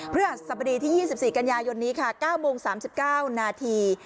ฤหัสบดีที่๒๔กันยายนนี้ค่ะ๙โมง๓๙นาที